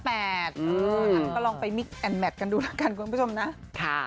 ก็ลองไปมิกแอนแมทกันดูแล้วกันคุณผู้ชมนะ